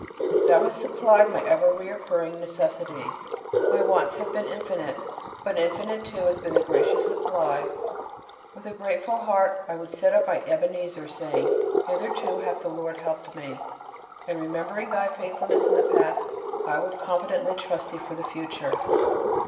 Thou hast supplied my ever recurring necessities. My wants have been infinite, but infinite too has been the gracious supply. With a grateful heart I would set up my Ebenezer, saying, "Hitherto hath the Lord helped me." And remembering Thy faithfulness in the past, I would confidently trust Thee for the future.